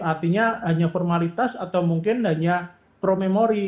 artinya hanya formalitas atau mungkin hanya promemori